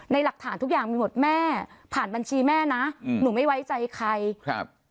หลักฐานทุกอย่างมีหมดแม่ผ่านบัญชีแม่นะอืมหนูไม่ไว้ใจใครครับ